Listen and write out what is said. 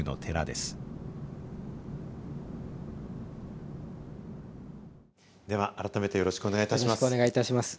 では改めてよろしくお願いいたします。